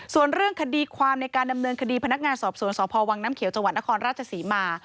ส่วนเรื่องคดีความในการดำเนินคดีพนักงานสอบสวนสพวังน้ำเขียวจังหวัดนครราชศรีมา